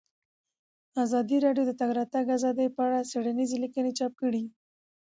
ازادي راډیو د د تګ راتګ ازادي په اړه څېړنیزې لیکنې چاپ کړي.